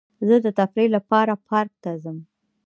زه د تفریح لپاره پارک ته ځم.